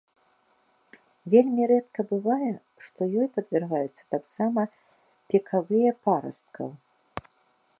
Вельмі рэдка бывае, што ёй падвяргаюцца таксама пікавыя парасткаў.